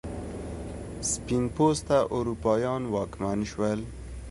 سپین پوسته اروپایان واکمن شول.